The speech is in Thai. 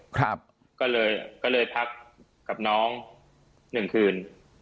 ก็เลยพักกับน้อง๑คืน